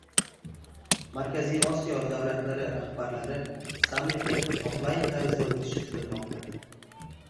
Markaziy Osiyo davlatlari rahbarlari sammiti oflayn tarzda o‘tishi kutilmoqda